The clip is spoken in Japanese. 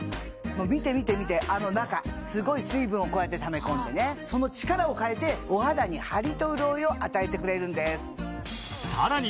見て見て見てあの中すごい水分をこうやってため込んでねその力をかえてお肌にハリと潤いを与えてくれるんですさらに